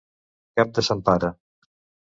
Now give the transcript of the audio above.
Cap de sant Pare.